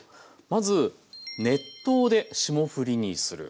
まず「熱湯で霜降りにする」。